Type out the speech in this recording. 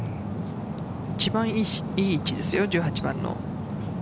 一番いい位置ですよ、１８番の。